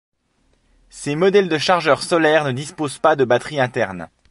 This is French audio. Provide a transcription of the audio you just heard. Ces modèles de chargeurs solaires ne disposent pas de batteries internes.